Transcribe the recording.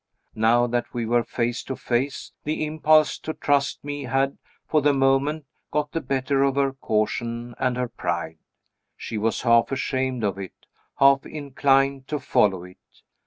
Now that we were face to face, the impulse to trust me had, for the moment, got the better of her caution and her pride; she was half ashamed of it, half inclined to follow it.